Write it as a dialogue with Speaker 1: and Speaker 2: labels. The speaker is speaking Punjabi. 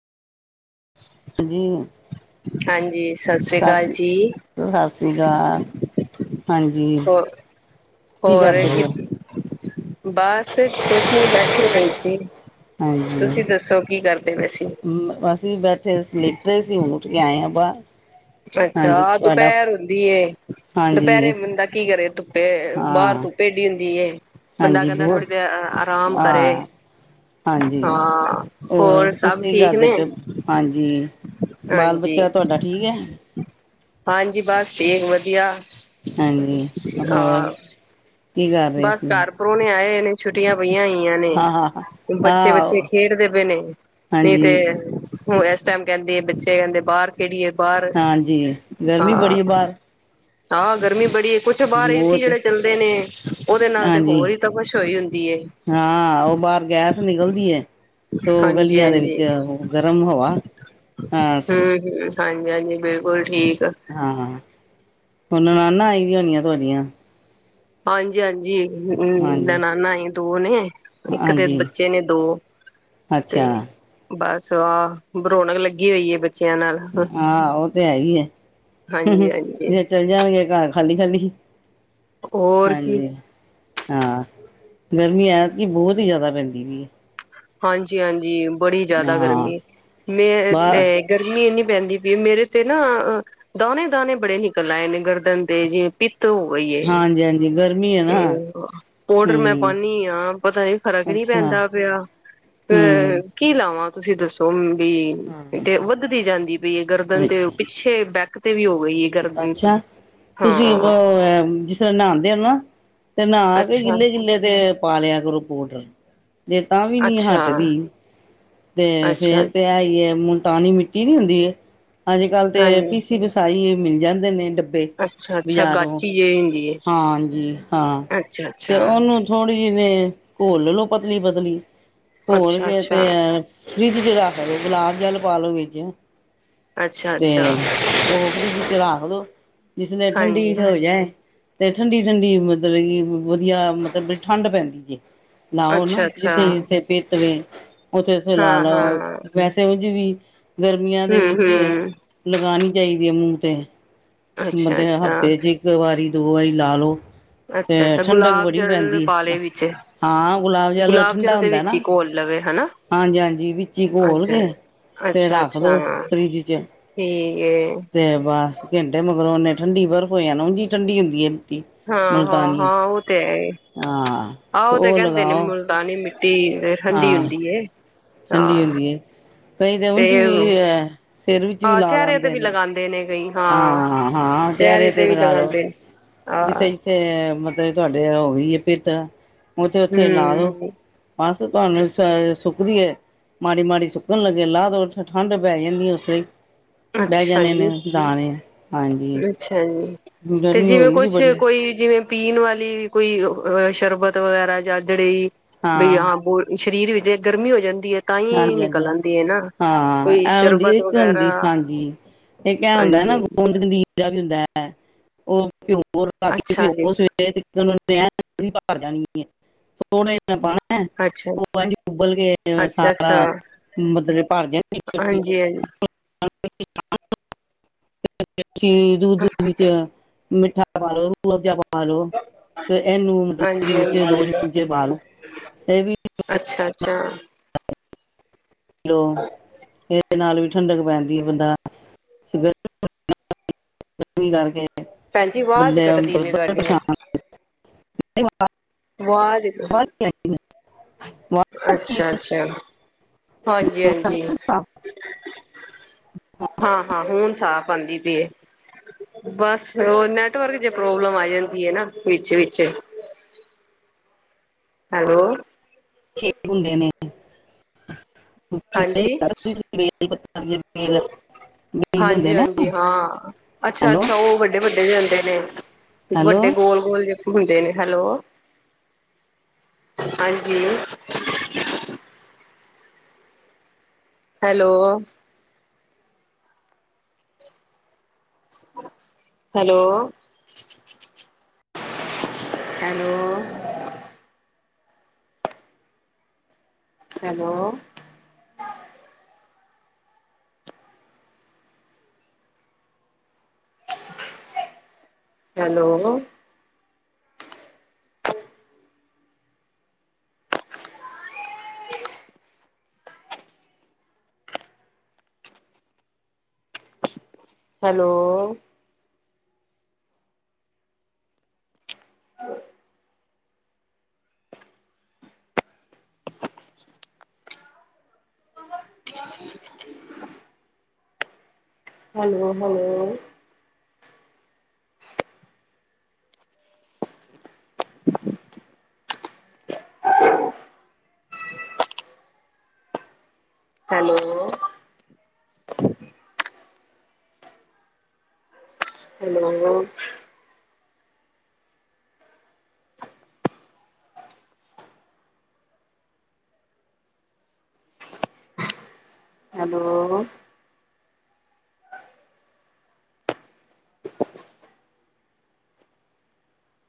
Speaker 1: ਹਾਜੀ
Speaker 2: ਹਾਂਜੀ ਸਤਿ ਸ੍ਰੀ ਅਕਾਲ
Speaker 1: ਸਸ
Speaker 2: ਜੀ
Speaker 1: ਸਸ ਸ੍ਰੀ ਕਾਲ ਹਾਂਜੀ,
Speaker 2: ਹੋ
Speaker 1: ਕੀ
Speaker 2: ਹੋਰ
Speaker 1: ਕਰਦੇ ਪਏ ਹੋ।
Speaker 2: ਬਸ ਕੁਛ ਨੀ ਬੈਠੇ ਹੋਏ ਸੀ। ਤੁਸੀਂ ਦੱਸੋ ਕੀ ਕਰਦੇ ਪਏ ਸੀ।
Speaker 1: ਹ ਬਸ ਬੈਠੇ ਦੇ ਸੀ ਲੇਟੇ ਹੋਏ ਸੀ ਹੁਣ ਉਠ ਕੇ ਆਏ ਆ ਬਾਰ।
Speaker 2: ਅੱਛਾ ਦੁਪਹਿਰ ਹੁੰਦੀ ਐ ਦੁਪਹਿਰੇ
Speaker 1: ਹਾਂਜੀ
Speaker 2: ਬੰਦਾ ਕੀ ਕਰੇ। ਬਾਰ
Speaker 1: ਹਾਂ
Speaker 2: ਧੁੱਪ ਏਡੀ ਹੁੰਦੀ ਏ ਬੰਦਾ
Speaker 1: ਹਾਂਜੀ
Speaker 2: ਕਹਿੰਦਾ
Speaker 1: ਬਹੁਤ
Speaker 2: ਥੋੜੀ ਦੇਰ ਆਰਾਮ ਕਰੇ।
Speaker 1: ਹਾਂ ਹਾਂਜੀ
Speaker 2: ਹਾਂ
Speaker 1: ਹੋਰ
Speaker 2: ਸਭ
Speaker 1: ਤੁਸੀਂ
Speaker 2: ਠੀਕ
Speaker 1: ਕਰਦੇ
Speaker 2: ਨੇ
Speaker 1: ਪਏ ਹੋ ਹਾਂਜੀ। ਬਾਲ
Speaker 2: ਹਾਂਜੀ
Speaker 1: ਬੱਚਾ ਤੁਹਾਡਾ ਠੀਕ ਹੈ।
Speaker 2: ਹਾਂਜੀ ਬਸ ਠੀਕ ਵਧੀਆ।
Speaker 1: ਹਾਂਜੀ ਹੋਰ
Speaker 2: ਹਾਂ
Speaker 1: ਕੀ ਕਰ ਰਹੇ
Speaker 2: ਬਸ
Speaker 1: ਸੀ
Speaker 2: ਘਰ ਪਰੋਨੇ ਆਏ ਹੋਏ ਨੇ। ਛੁੱਟੀਆਂ ਪਈਆਂ ਹੋਈਆਂ ਨੇ
Speaker 1: ਹਾਂ ਹਾਂ ਹਾਂ
Speaker 2: ਬੱਚੇ-ਬੱਚੇ ਖੇਡਦੇ ਪਏ ਨੇ ਨਹੀਂ
Speaker 1: ਹਾਂਜੀ
Speaker 2: ਤੇ ਹੁਣ ਇਸ ਟਾਈਮ ਕਹਿੰਦੇ ਬੱਚੇ ਕਹਿੰਦੇ ਬਾਰ ਖੇਡੀਏ ਬਾਰ
Speaker 1: ਹਾਂਜੀ ਗਰਮੀ ਬੜੀ ਹੈ
Speaker 2: ਹਾਂ।
Speaker 1: ਬਾਹਰ
Speaker 2: ਹਾਂ ਗਰਮੀ ਬੜੀ ਏ ਕੁੱਛ ਬਾਹਰ ਏਸੀ
Speaker 1: ਬਹੁਤ
Speaker 2: ਜਿਹੜੇ ਚੱਲਦੇ ਨੇ ਉਹਦੇ ਨਾਲ ਤੇ
Speaker 1: ਹਾਂਜੀ
Speaker 2: ਹੋਰ ਹੀ ਤਪਸ਼ ਹੋਈ ਹੁੰਦੀ ਹੈ
Speaker 1: ਹਾਂ ਉਹ ਬਾਰ ਗੈਸ ਨਿਕਲਦੀ ਹੈ। ਦੋ
Speaker 2: ਹਾਂਜੀ
Speaker 1: ਗਲੀਆਂ ਦੇ
Speaker 2: ਹਾਂਜੀ
Speaker 1: ਵਿੱਚ
Speaker 2: ਹਮ
Speaker 1: ਗਰਮ ਹਵਾ, ਹਾਂ
Speaker 2: ਹੂੰ, ਹਾਂਜੀ-ਹਾਂਜੀ ਬਿਲਕੁਲ ਠੀਕ।
Speaker 1: ਹਾਂ ਹੁਣ ਨਨਾਣਾ ਆਈ ਦੀਆਂ ਹੋਣੀਆ ਤੁਹਾਡੀਆਂ?
Speaker 2: ਹਾਂਜੀ-ਹਾਂਜੀ
Speaker 1: ਹਾਂਜੀ
Speaker 2: ਨਨਾਨਾ ਆਈ ਦੋ ਨੇ। ਇੱਕ ਤੇ
Speaker 1: ਹਾਂਜੀ
Speaker 2: ਬੱਚੇ ਨੇ ਦੋ
Speaker 1: ਅੱਛਾ
Speaker 2: ਤੇ ਬਸ ਆਹ ਰੌਣਕ ਲੱਗੀ ਹੋਈ ਏ ਬ ਬੱਚਿਆਂ ਨਾਲ।
Speaker 1: ਹਾਂ ਉਹ ਤੇ ਹੈ ਹੀ ਏ
Speaker 2: ਹਾਂਜੀ ਹਾਂਜੀ
Speaker 1: ਵਿਚ ਚਲੇ ਜਾਣਗੇ ਘਰ ਖਾਲੀ, ਖਾਲੀ
Speaker 2: ਹੋਰ ਕੀ
Speaker 1: ਹਾਂਜੀ। ਗਰਮੀ ਐਕਤੀ ਬਹੁਤ ਹੀ ਜਾਦਾ ਪੈਂਦੀ ਪਈ ਏ।
Speaker 2: ਹਾਂਜੀ-ਹਾਂਜੀ ਬੜੀ
Speaker 1: ਹੈ
Speaker 2: ਜ਼ਿਆਦਾ
Speaker 1: ਹਾਂ
Speaker 2: ਗਰਮੀ ਮੇਂ, ਤੇ
Speaker 1: ਬਾਹਰ
Speaker 2: ਗਰਮੀ ਇੰਨੀ ਪੈਂਦੀ ਪਈ, ਮੇਰੇ ਤੇ ਨਾ ਦਾਨੇ-ਦਾਣੇ ਬੜੇ ਨਿਕਲ ਆਏ ਨੇ ਗਰਦਨ ਤੇ, ਜਿਵੇਂ ਪਿੱਤ ਹੋ ਗਈ ਏ।
Speaker 1: ਹਾਂਜੀ ਹਾਂਜੀ ਗਰਮੀ ਹੈ
Speaker 2: ਤੇ,
Speaker 1: ਨਾ
Speaker 2: ਪੋੜਰ ਮੈਂ
Speaker 1: ਹਮ
Speaker 2: ਪਾਂਨੀ ਆਂ, ਪਤਾ ਨੀ ਫ਼ਰਕ ਨੀ
Speaker 1: ਅੱਛਾ
Speaker 2: ਪੈਂਦਾ ਪਿਆ। ਤੇ
Speaker 1: ਹਮ
Speaker 2: ਕੀ ਲਾਵਾਂ? ਤੁਸੀਂ ਦੱਸੋ ਵੀ ਤੇ, ਵੱਧਦੀ ਜਾਂਦੀ ਪਈ ਗਰਦਨ ਤੇ
Speaker 1: ਅੱਛਾ
Speaker 2: ਪਿੱਛੇ ਬੈਕ ਤੇ ਵੀ ਹੋ ਗਈ ਹੈ।
Speaker 1: ਅੱਛਾ! ਤੁਸੀਂ ਨਹਾਂਦੇ ਓ ਨਾ, ਤੇ ਨਹਾਕੇ
Speaker 2: ਅੱਛਾ,
Speaker 1: ਗਿੱਲੇ-ਗਿੱਲੇ ਤੇ ਪਾਲਿਆ ਕਰੋ, ਪੋਡਰ। ਜੇ ਤਾਂ ਵੀ ਨੀ
Speaker 2: ਅੱਛਾ,
Speaker 1: ਹਟਦੀ, ਤੇ
Speaker 2: ਅੱਛਾ,
Speaker 1: ਫੇਰ ਤੇ
Speaker 2: ਅੱਛਾ
Speaker 1: ਐਈ ਏ ਤਾਨੀ ਮਿੱਟੀ ਨੀ ਹੁੰਦੀ ਏ, ਅੱਜ-ਕੱਲ ਤੇ
Speaker 2: ਹਾਂਜੀ।
Speaker 1: ਪੀਸੀ-ਪੀਸਾਈ ਮਿਲ ਜਾਂਦੇ ਨੇ ਡੱ
Speaker 2: ਅੱਛਾ-ਅੱਛਾ ਗਾਚੀ ਜਿਹੜੀ ਹੁੰਦੀ ਏ।
Speaker 1: ਹਾਂਜੀ, ਹਾਂ, ਤੇ
Speaker 2: ਅੱਛਾ-ਅੱਛਾ
Speaker 1: ਉਹਨੂੰ ਥੋੜ੍ਹੀ ਜਿਹੀ ਨੇ ਘੋਲ ਲਓ ਪਤਲੀ-ਪਤਲੀ, ਘੋਲ
Speaker 2: ਅੱਛਾ
Speaker 1: ਗਏ
Speaker 2: ਅੱਛਾ
Speaker 1: ਤੇ ਫਰਿੱਜ 'ਚ ਰੱਖ ਦੋ, ਗੁਲਾਬ ਜਲ ਪਾਲੋ ਵਿੱਚ।
Speaker 2: ਅੱਛਾ
Speaker 1: ਤੇ,
Speaker 2: ਅੱਛਾ
Speaker 1: ਉਹ ਫਰਿੱਜ ਵਿੱਚ ਰਖਦੋ ਜਿਸਲਈ
Speaker 2: ਹਾਂਜੀ
Speaker 1: ਠੰਡੀ ਹੋ ਜਾਏ ਤੇ ਠੰਡੀ-ਠੰਡੀ ਮਤਲਬ ਕੀ, ਵਧੀਆ ਮਤਲਬ ਠੰਢ ਪੈਂਦੀ ਜੇ। ਨ੍ਹਾਓ
Speaker 2: ਅੱਛਾ
Speaker 1: ਨਾ,
Speaker 2: ਅੱਛਾ
Speaker 1: ਜਿੱਥੇ-ਜਿੱਥੇ ਪਿੱਤ ਵੇ, ਉੱਥੇ-ਉਥੇ ਲਾ
Speaker 2: ਹਾਂ
Speaker 1: ਲਓ
Speaker 2: ਹਾਂ
Speaker 1: ਉੰਝ ਵੀ ਗਰਮੀਆਂ ਦੇ
Speaker 2: ਹੂੰ
Speaker 1: ਵਿੱਚ
Speaker 2: ਹੂੰ
Speaker 1: ਲਗਾਣੀ ਚਾਹੀਦੀ ਏ, ਮੂੰਹ ਤੇ।
Speaker 2: ਅੱਛਾ
Speaker 1: ਮਤਲਬ
Speaker 2: ਅੱਛਾ
Speaker 1: ਹਫ਼ਤੇ'ਚ ਇੱਕ ਵਾਰੀ, ਦੋ ਵਾਰੀ ਲਾਲੋ।
Speaker 2: ਅੱਛਾ
Speaker 1: ਤੇ
Speaker 2: ਅੱਛਾ
Speaker 1: ਠੰਡਕ
Speaker 2: ਗੁਲਾਬ
Speaker 1: ਬੜੀ
Speaker 2: ਜਲ
Speaker 1: ਪੈਂਦੀ
Speaker 2: ਪਾ
Speaker 1: ਆ।
Speaker 2: ਲਏ ਵਿੱਚ
Speaker 1: ਹਾਂ, ਗੁਲਾਬ ਜਲ ਠੰਡਾ
Speaker 2: ਦੇ
Speaker 1: ਹੁੰਦਾ
Speaker 2: ਵਿੱਚ ਹੀ
Speaker 1: ਨਾ,
Speaker 2: ਘੋਲ ਲਵੇ ਹਨਾ
Speaker 1: ਹਾਂਜੀ-ਹਾਂਜੀ ਵਿੱਚੇ
Speaker 2: ਅੱਛਾ
Speaker 1: ਘੋਲਕੇ ਤੇ
Speaker 2: ਅੱਛਾ ਅੱਛਾ
Speaker 1: ਰੱਖਦੋ ਫਰਿਜ਼'ਚ।
Speaker 2: ਠੀਕ ਏ।
Speaker 1: ਤੇ ਬਸ ਘੇੰਟੇ ਮਗਰੋਂ ਓਨੇ ਠੰਡੀ ਬਰਫ ਹੋ ਜਾਨਾ, ਉਂਜੀ ਠੰਡੀ ਹੁੰਦੀ। ਮਿੱਟੀ।
Speaker 2: ਹਾਂ, ਹਾਂ,
Speaker 1: ਮੁਲਤਾਨੀ
Speaker 2: ਹਾਂ ਉਹ ਤੇ ਹੈ,
Speaker 1: ਹਾਂ
Speaker 2: ਹਾਂ
Speaker 1: ਤੇ
Speaker 2: ਓ ਤਾਂ
Speaker 1: ਉਹ
Speaker 2: ਕਹਿੰਦੇ ਨੇ ਮੂ
Speaker 1: ਲਗਾਓ
Speaker 2: ਮੁਲਤਾਨੀ ਮਿੱਟੀ ਠੰਡੀ
Speaker 1: ਹਾਂ
Speaker 2: ਹੁੰਦੀ ਏ।
Speaker 1: ਠੰਡੀ
Speaker 2: ਹਾਂ
Speaker 1: ਹੁੰਦੀ ਏ, ਕਈ ਤਾਂ
Speaker 2: ਤੇ
Speaker 1: ਉਂਝ ਵੀ ਸਿਰ ਵਿੱਚ ਵੀ ਲਾ ਲੈਂਦੇ ਨੇ।
Speaker 2: ਦੇ ਨੇ ਕਈ ਹਾਂ, ਚਿਹਰੇ ਤੇ ਵੀ ਲਗਾਂਦੇ ਨੇ। ਹਾਂ
Speaker 1: ਜਿੱਥੇ-ਜਿੱਥੇ ਮਤਲਬ ਤੁਹਾਡੇ ਹੋ ਗਈ ਏ, ਪਿਤ, ਉਥੇ-ਉੱਥੇ ਲਾਲੋੋ।
Speaker 2: ਹੂੰ
Speaker 1: ਬਸ ਤੁਹਾਨੂੰ ਸੁੁਕਦੀ ਏ ਮਾੜੀ-ਮਾੜੀ ਸੁੱਕਣ ਲੱਗੇ ਲਾਦੋ, ਤੇ ਉੱਥੇ ਠੰਢ ਪੈ ਜਾਂਦੀ ਉਸੇ ਵੇਲੇ। ਬਹਿ
Speaker 2: ਅੱਛਾ
Speaker 1: ਜਾਣੇ
Speaker 2: ਜੀ,
Speaker 1: ਨੇ ਦਾਣੇ, ਹਾਂਜੀ, ਗਰਮੀ ਹੋਈ
Speaker 2: ਚ
Speaker 1: ਬੜੀ।
Speaker 2: ਕੋਈ ਜਿਵੇਂ ਪੀਣ ਵਾਲੀ, ਕੋਈ ਅ ਸ਼ਰਬਤ ਵਗੈਰਾ ਜਾ ਜੜੀ ਬਈ ਹਾਂ, ਬੋ ਸਰੀਰ ਵਿੱਚ ਜੇ ਗਰਮੀ ਹੋ ਜਾਂਦੀ ਏ।
Speaker 1: ਹਾਂਜੀ, ਹਾਂਜੀ, ਹਾਂ
Speaker 2: ਕੋਈ
Speaker 1: ਐ ਹੁੰਦੀ
Speaker 2: ਸ਼ਰਬਤ
Speaker 1: ਇੱਕ
Speaker 2: ਵਗੈਰਾ
Speaker 1: ਹੁੰਦੀ, ਹਾਂਜੀ। ਇੱਕ ਐ ਹੁੰਦੈ
Speaker 2: ਹਾਂਜੀ
Speaker 1: ਨਾ
Speaker 2: ਹਾਂਜੀ।
Speaker 1: ਗੋਂਦ ਗੰਦੀਰਾ ਵੀ ਹੁੰਦੈ, ਓਹ ਭਿੰਓਵੋ, ਰਾਤੀਂ
Speaker 2: ਅੱਛਾ ਜੀ,
Speaker 1: ਭਿਓਂਂ ਸਵੇ [unintelligible] ਥੋੜਾ ਇੰਨਾ ਪਾਣੈ
Speaker 2: ਅੱਛਾ,
Speaker 1: ਓਹ ਐੰਝ ਉਬਲਗੇ ਜਿਵੇਂ ਸਾ
Speaker 2: ਅੱਛਾ ਅੱਛਾ,
Speaker 1: ਹਾਂ ਮਤਲਬ ਭਰ ਦੇ
Speaker 2: ਹਾਂਜੀ ਹਾਂਜੀ।
Speaker 1: [unintelligible] [unintelligible] ਦੁੱਧ ਵਿੱਚ ਮਿੱਠਾ ਪਾਲੋ, ਰੂਹਬ ਜਾ ਪਾਲੋ। ਫੇਰ ਐਨੂੰ ਮਤਲਬ
Speaker 2: ਹਾਂਜੀ
Speaker 1: [unintelligible] ਵਿੱਚ
Speaker 2: ਹਾਂਜੀ,
Speaker 1: ਦੋ ਚਮਚੇ ਪਾਦੋ, ਏਹ ਵੀ
Speaker 2: ਅੱਛਾ, ਅੱਛਾ।
Speaker 1: ਹੈਲੋ। ਦੇ ਨਾਲ ਵੀ ਠੰਡਕ ਪੈਂਦੀ ਏ ਬੰਦਾ [unintelligible] ਕਰਕੇ
Speaker 2: ਭੈਣ ਜੀ ਆਵਾਜ਼
Speaker 1: ਬੰਦੇ
Speaker 2: ਕੱਟਦੀ ਪਈ
Speaker 1: ਬੜੇ
Speaker 2: ਤੁਹਾਡੀ,
Speaker 1: ਪਰੇਸ਼ਾਨ
Speaker 2: ਅਵਾਜ
Speaker 1: [unintelligible]
Speaker 2: ਅੱਛਾ-ਅੱਛਾ, ਹਾਂਜੀ-ਹਾਂਜੀ।
Speaker 1: [unintelligible] [inaudible]
Speaker 2: ਹਾਂ ਹਾਂ ਹੁਣ ਸਾਫ਼ ਆਉਂਦੀ ਪਈਏ। ਬਸ ਓਹ ਨੈਟਵਰਕ ਜੇ ਪ੍ਰੋਬਲਮ ਆ ਜਾਂਦੀ ਏ ਨਾ ਵਿੱਚ- ਵਿਚ। ਹੈਲੋ।
Speaker 1: ਠੀਕ ਹੁੰਦੇ ਨੇ।
Speaker 2: ਹਾਂਜੀ
Speaker 1: [unintelligible] ਬੇਲ
Speaker 2: ਹਾਂਜੀ
Speaker 1: ਹੁੰਦੇ ਨੇ
Speaker 2: ਹਾਂਜੀ, ਹਾਂ ਅੱਛਾ
Speaker 1: ਹੈਲੋ
Speaker 2: ਅੱਛਾ ਔ ਵੱਡ ਡੇ ਵੱਡੇ ਦੇ ਹੋੰਦੇ ਨੇ,
Speaker 1: ਹੈਲੋ
Speaker 2: ਵੱਡੇ ਗੋਲ-ਗੋਲ ਜੇ। ਹੁੰਦੇ ਨੇ, ਹੈਲੋ ਹਾਂਜੀ। Hello. Hello. Hello. Hello. Hello. Hello. Hello hello. Hello. Hello. Hello.